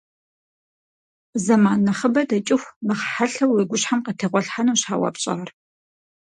Зэман нэхъыбэ дэкӀыху нэхъ хьэлъэу уи гущхьэм къытегъуэлъхьэнущ а уэ пщӀар.